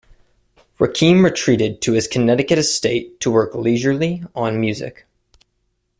Rakim retreated to his Connecticut estate to work leisurely on music.